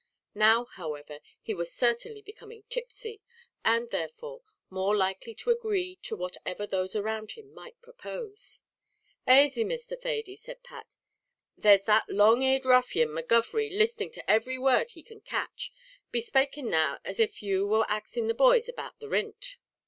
Now, however, he was certainly becoming tipsy, and, therefore, more likely to agree to whatever those around him might propose. "Asy, Mr. Thady!" said Pat; "there's that long eared ruffian, McGovery, listening to every word he can catch. Be spaking now as if you war axing the boys about the rint."